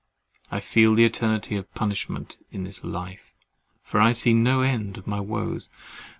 I feel the eternity of punishment in this life; for I see no end of my woes.